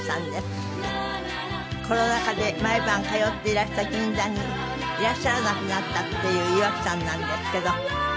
コロナ禍で毎晩通っていらした銀座にいらっしゃらなくなったっていう岩城さんなんですけどどうなんでしょう？